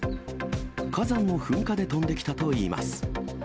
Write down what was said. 火山の噴火で飛んできたといいます。